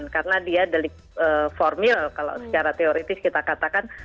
karena dia delik formil kalau secara teoritis kita katakan